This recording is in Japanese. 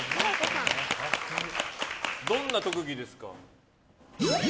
どんな特技ですか？